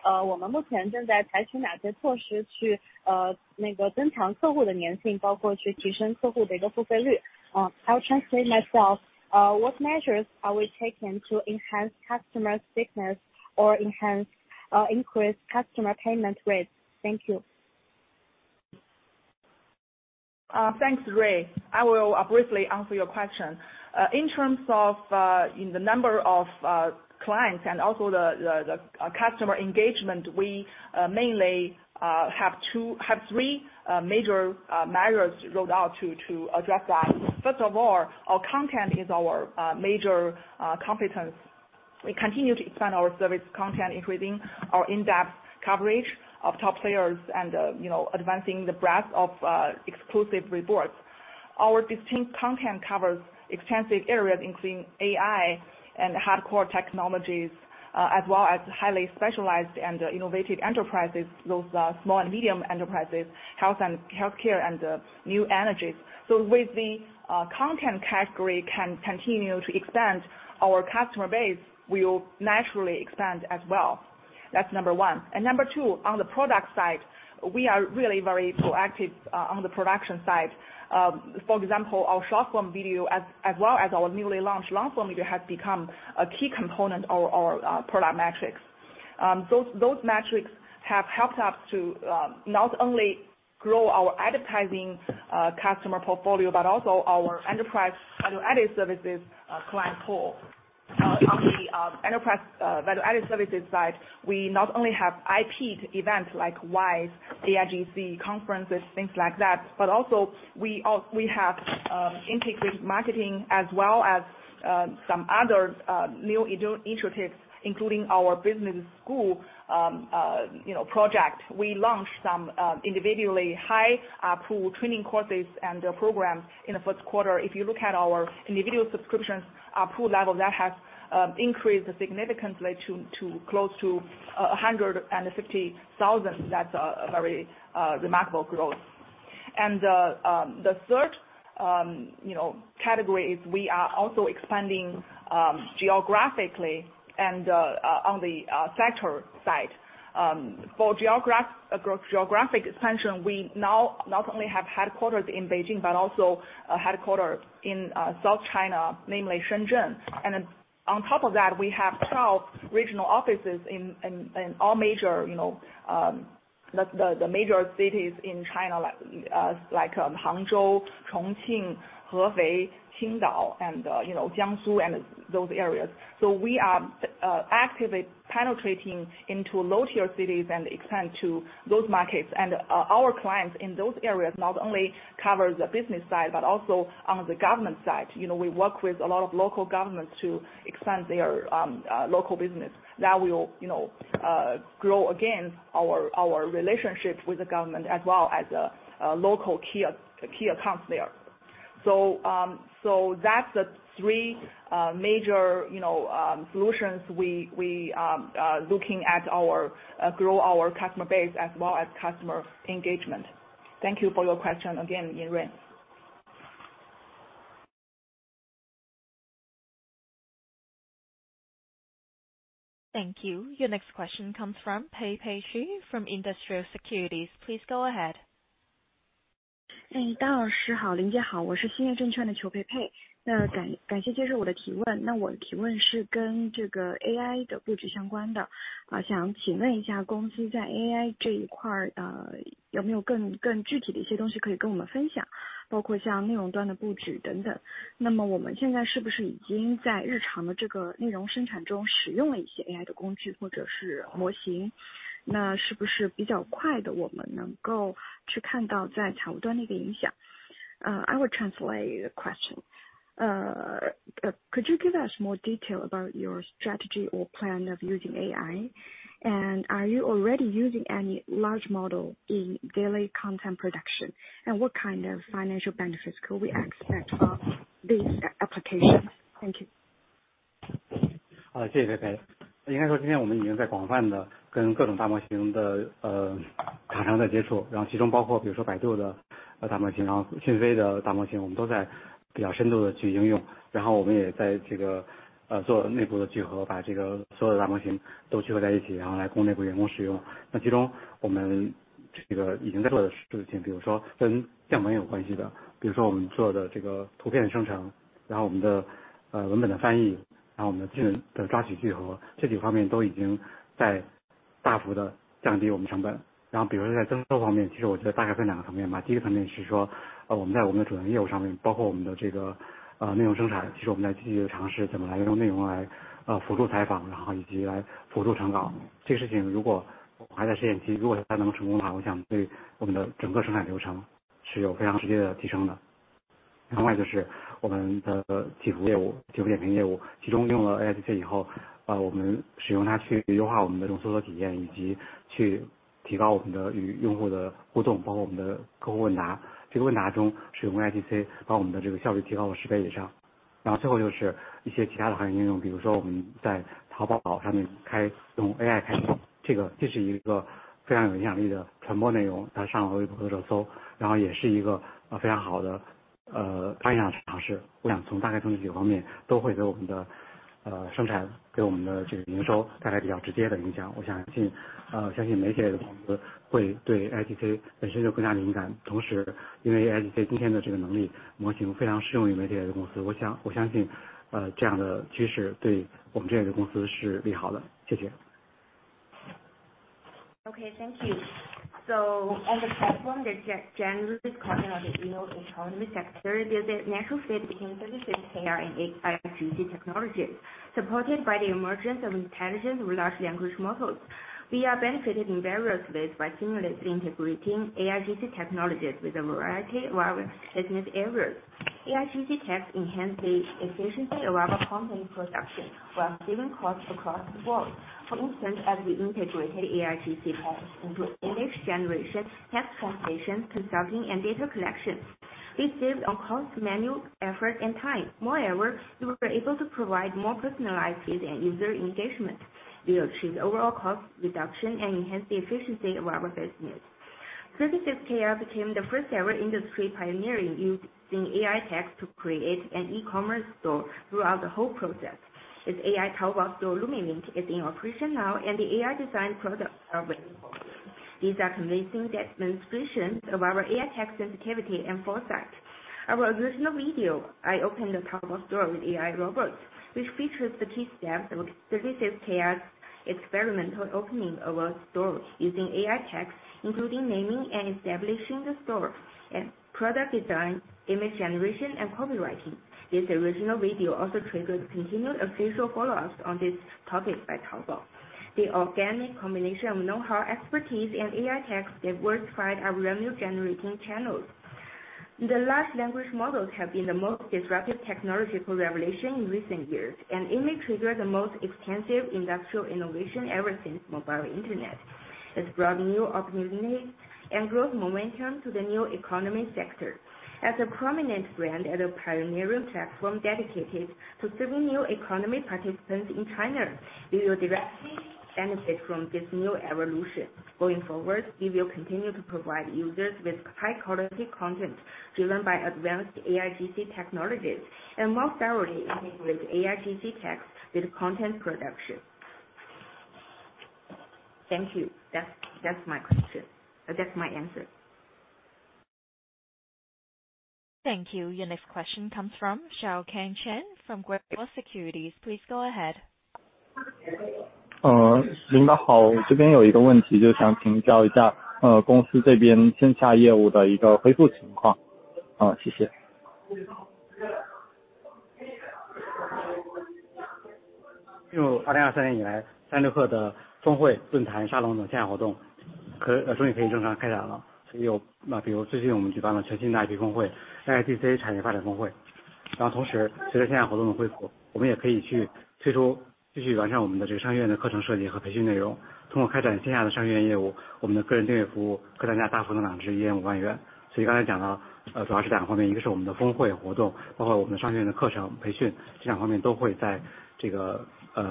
I have a question, which is, what measures are we currently taking to improve customer stickiness, including raising the customer's payment rate? I'll translate myself. What measures are we taking to enhance customer stickiness or enhance, increase customer payment rates? Thank you. Thanks, Ray. I will briefly answer your question. In terms of the number of clients and also the customer engagement, we mainly have three major measures rolled out to address that. First of all, our content is our major competence. We continue to expand our service content, increasing our in-depth coverage of top players and, you know, advancing the breadth of exclusive reports. Our distinct content covers extensive areas, including AI and hardcore technologies, as well as highly specialized and innovative enterprises, those small and medium enterprises, health and healthcare and new energies. With the content category can continue to expand our customer base, we will naturally expand as well. That's number one. Number two, on the product side, we are really very proactive on the production side. For example, our short form video as well as our newly launched long form video, has become a key component of our product metrics. Those metrics have helped us to not only grow our advertising customer portfolio, but also our enterprise value-added services client pool. On the enterprise value-added services side, we not only have IP event like WISE, AIGC conferences, things like that, but also we have integrated marketing as well as some other new initiatives, including our business school, you know, project. We launched some individually high pool training courses and programs in the Q1. If you look at our individual subscriptions, our pool level, that has increased significantly to close to 150,000. That's a very remarkable growth. The third, you know, category is we are also expanding geographically and on the sector side. For geographic expansion, we now not only have headquarters in Beijing, but also a headquarters in South China, namely Shenzhen. On top of that, we have 12 regional offices in all major, you know, the major cities in China, like Hangzhou, Chongqing, Hebei, Qingdao, and, you know, Jiangsu and those areas. We are actively penetrating into low-tier cities and expand to those markets. Our clients in those areas not only cover the business side, but also on the government side. You know, we work with a lot of local governments to expand their local business. That will, you know, grow again, our relationship with the government as well as local key accounts there. That's the three major, you know, solutions we looking at our grow our customer base as well as customer engagement. Thank you for your question again, Rui Yin. Thank you. Your next question comes from Pei Pei Xu, from Industrial Securities. Please go ahead. I will translate your question. Could you give us more detail about your strategy or plan of using AI? Are you already using any large model in daily content production? What kind of financial benefits could we expect from these applications? Thank you. Thank you, Pei Pei. Let me say, today we are already widely in contact with a variety of large models. This includes, for example, Baidu's large model, and Microsoft's large model. We are using them quite extensively. We are also doing internal integration, bringing all these large models together for our internal employees to use. Among these, we have already implemented some things, such as those related to image generation. For example, we have image generation, text translation, and our own knowledge retrieval and aggregation. These aspects have already significantly reduced our costs. In terms of revenue generation, I think it can be divided into 2 aspects. The first aspect is that in our main business, including our content production, we are actively exploring how to use content to assist in interviews and help with draft writing. This is still in the experimental phase. If it succeeds, I believe it will have a very direct improvement on our entire production process. The other aspect is our service business, our service review business. After using AIGC, we use it to optimize our search experience and improve our interaction with users, including our customer FAQ. In this FAQ, using AIGC has increased our efficiency by more than 10 times. 最后又是一些其他的行业应 用， 比如说我们在 Taobao 上开用 AI 开 通， 这 个， 这是一个非常有影响力的传播内 容， 它上了 Weibo 的热 搜， 也是一个非常好的刚性的尝试。我想从大概从这几个方面都会对我们的生 产， 给我们的这个营收带来比较直接的影响。我想信相信媒体类的公司会对 AIGC 本身就更加敏 感， 同时因为 AIGC 今天的这个能 力， 模型非常适用于媒体类公 司， 我 想， 我相信这样的趋势对我们这样的公司是利好的。谢谢。Okay, thank you. On the platform, generally speaking, you know, economy sector, there is a natural fit between services care and AIGC technology, supported by the emergence of intelligent large language models. We are benefited in various ways by seamlessly integrating AIGC technologies with a variety of our business areas. AIGC tech enhance the efficiency of our content production, while saving costs across the board. For instance, as we integrated AIGC tasks into image generation, text translation, consulting, and data collection. We saved on cost, manual effort, and time. Moreover, we were able to provide more personalized and user engagement. We achieved overall cost reduction and enhanced the efficiency of our business. Services care became the first-ever industry pioneering using AI techs to create an e-commerce store throughout the whole process. Its AI Taobao store, LumiWink, is in operation now, and the AI design products are available. These are convincing demonstrations of our AI tech sensitivity and foresight. Our original video, I opened the Taobao store with AI robots, which features the key steps of services care's experimental opening of our store using AI techs, including naming and establishing the store and product design, image generation, and copywriting. This original video also triggered continued official follow-ups on this topic by Taobao. The organic combination of know-how, expertise, and AI techs diversified our revenue-generating channels. The large language models have been the most disruptive technological revolution in recent years, and it may trigger the most extensive industrial innovation ever since mobile internet. It's brought new opportunities and growth momentum to the new economy sector. As a prominent brand and a pioneering platform dedicated to serving new economy participants in China, we will directly benefit from this new evolution. Going forward, we will continue to provide users with high-quality content driven by advanced AIGC technologies, and more thoroughly integrate AIGC techs with content production. Thank you. That's my question. That's my answer. Thank you. Your next question comes from Xiaocang Chen from Great Wall Securities. Please go ahead. 领导 好, 我这边有一个问 题, 就想请教一 下, 公司这边线下业务的一个恢复情 况. 好, 谢 谢. 就2023年以 来, 36Kr 的峰 会, 论 坛, 沙龙等线下活动终于可以正常开展 了. 比如最近我们举办了全新的 IP 峰 会, AIGC 产业发展峰 会. 同时随着线下活动的恢 复, 我们也可以去推 出, 继续完善我们的这个商学院的课程设计和培训内 容. 通过开展线下的商学院业 务, 我们的个人订阅服 务, 客单价大幅能达到 1,500 RMB. 刚才讲 到, 主要是2个方 面: 一个是我们的峰会活 动, 包括我们的商学院的课程培 训, 这2方面都会在这个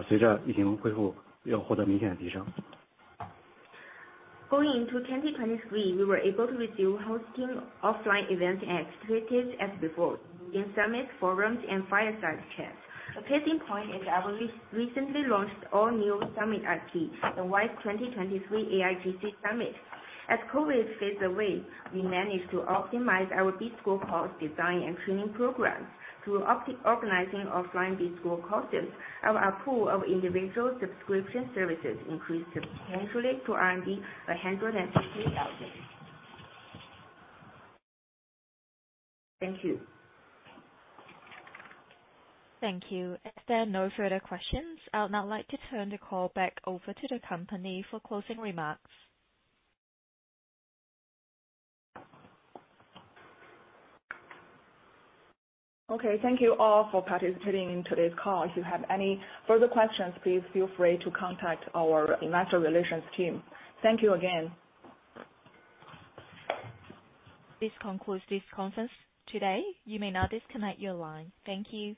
随着疫情恢 复, 又获得明显的提 升. Going into 2023, we were able to resume hosting offline events as frequently as before in summits, forums, and fireside chats. A case in point is that we recently launched all-new summit IP, the WISE 2023 AIGC Summit. As COVID fades away, we managed to optimize our B-school course design and training programs through organizing offline B-school courses. Our pool of individual subscription services increased substantially to 150,000. Thank you. Thank you. If there are no further questions, I'd now like to turn the call back over to the company for closing remarks. Okay. Thank you all for participating in today's call. If you have any further questions, please feel free to contact our investor relations team. Thank you again. This concludes this conference today. You may now disconnect your line. Thank you.